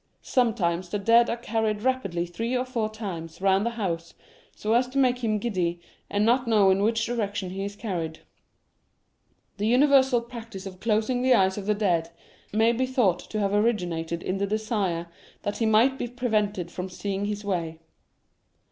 Some times the dead is carried rapidly three or four times round the house so as to make him giddy, and not lO The Meaning of Mourning know in which direction he is carried. The universal practice of closing the eyes of the dead may be thought to have originated in the desire that he might be prevented from seeing his way.